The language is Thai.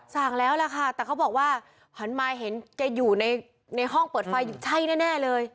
สั่งแล้วล่ะค่ะแต่เขาบอกว่าหันมาเห็นแกอยู่ในห้องเปิดไฟอยู่ใช่แน่เลย